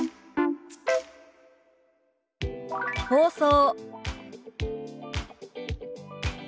「放送」。